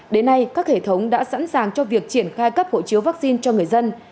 đến nay các hệ thống đã sẵn sàng cho việc triển khai cấp hộ chiếu vaccine cho người dân